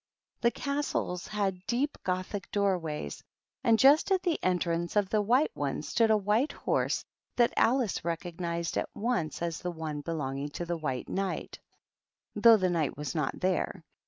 The Castles had deep Giothic door ways, and just at the entrance of the White one stood a White horse that Alice recognized at once as the one belonging to the White Knight, though the Knight was not there.